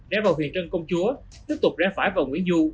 ra vào huyền trân công chúa tiếp tục ra phải vào nguyễn du